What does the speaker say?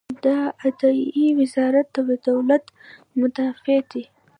د عدلیې وزارت د دولت مدافع دی